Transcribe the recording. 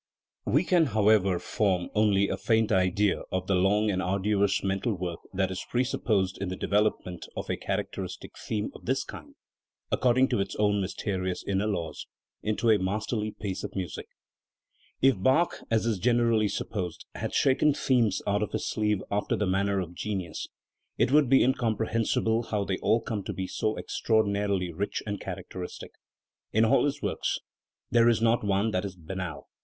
We can, however, form only a faint idea of the long and arduous mental work that is presupposed in the develop ment of a characteristic theme of this kind, according to its own mysterious inner laws, into a masterly piece of music* If Bach, as is generally supposed, had shaken themes out of his sleeve after the manner of genius, it would be incomprehensible how they all come to be so extraordinarily rich and char ct eristic. In all his works there is not one that is banal.